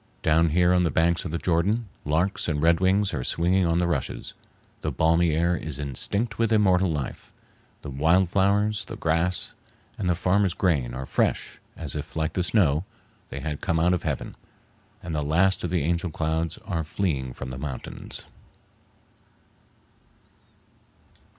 Down here on the banks of the Jordan, larks and redwings are swinging on the rushes; the balmy air is instinct with immortal life; the wild flowers, the grass, and the farmers' grain are fresh as if, like the snow, they had come out of heaven, and the last of the angel clouds are fleeing from the mountains.